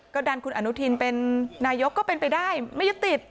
ก็ดันคุณอนุทินเป็นนายกก็เป็นไปได้ไม่ยึดติด